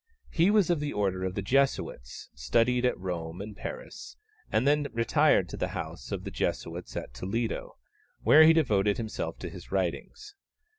He was of the order of the Jesuits, studied at Rome and Paris, and then retired to the house of the Jesuits at Toledo, where he devoted himself to his writings.